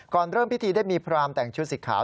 เริ่มพิธีได้มีพรามแต่งชุดสีขาว